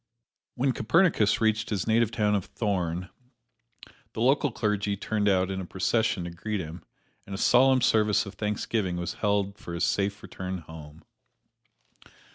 When Copernicus reached his native town of Thorn, the local clergy turned out in a procession to greet him, and a solemn service of thanksgiving was held for his safe return home.